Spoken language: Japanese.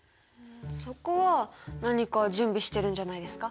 そこは何か準備してるんじゃないですか？